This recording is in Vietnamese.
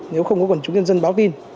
nếu không có quần chúng nhân dân báo tin